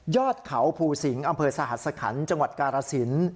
ยอดเขาภูสิงอำเภอสหสขันต์จังหวัดการสิน